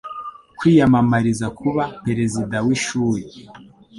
kwiyamamariza kuba perezida w’ishuri